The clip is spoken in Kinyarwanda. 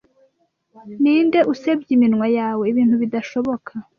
Ninde usebya iminwa yawe ibintu bidashoboka